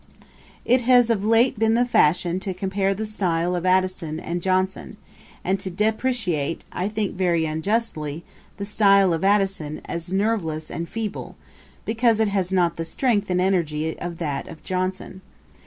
D. 1750.] It has of late been the fashion to compare the style of Addison and Johnson, and to depreciate, I think very unjustly, the style of Addison as nerveless and feeble, because it has not the strength and energy of that of Johnson.